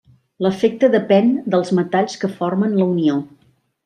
L'efecte depèn dels metalls que formen la unió.